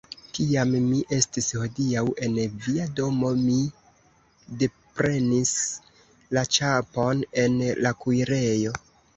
Kiam mi estis hodiaŭ en via domo, mi deprenis la ĉapon en la kuirejo.